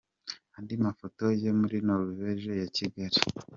Andi mafoto yo muri Norvege ya Kigali .